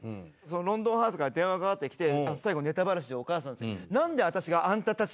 『ロンドンハーツ』から電話がかかってきて「最後ネタバラシでお母さん」。